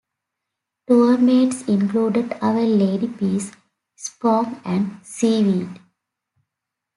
Tour mates included Our Lady Peace, Sponge, and Seaweed.